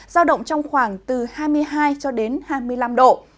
giao động trong khoảng từ hai mươi hai cho đến hai mươi năm độ